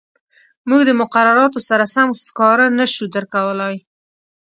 موږ د مقرراتو سره سم سکاره نه شو درکولای.